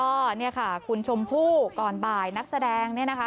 ก็เนี่ยค่ะคุณชมพู่ก่อนบ่ายนักแสดงเนี่ยนะคะ